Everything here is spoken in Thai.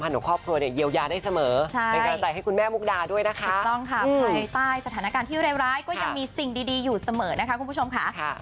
ถูกต้องค่ะใต้สถานการณ์ที่ร้ายก็ยังมีสิ่งดีอยู่เสมอนะคะคุณผู้ชมค่ะ